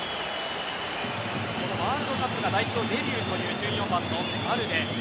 ワールドカップが代表デビューという１４番のバルデ。